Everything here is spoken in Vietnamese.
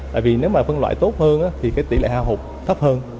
tại vì nếu mà phân loại tốt hơn thì cái tỷ lệ hao hụt thấp hơn